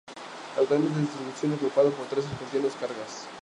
Actualmente en reconstrucción, operado por Trenes Argentinos Cargas.